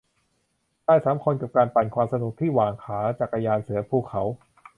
ชายสามคน กับการปั่นความสนุกที่หว่างขา จักรยานเสือภูเขา